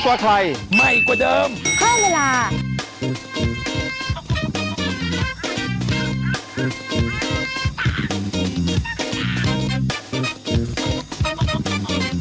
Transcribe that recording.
สวัสดีค่ะ